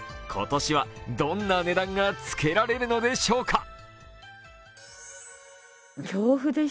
今年はどんな値段がつけられるのでしょうか？